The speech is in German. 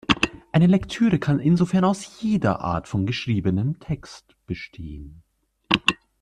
Eine Lektüre kann insofern aus jeder Art von geschriebenem Text bestehen.